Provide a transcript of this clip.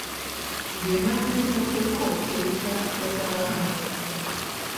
Rwema yamenye ate ko Keza atazaba hano?